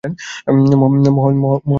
মহল দখল করবা?